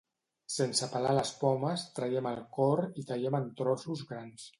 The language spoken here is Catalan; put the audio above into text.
Sense pelar les pomes, traiem el cor i tallem en trossos grans.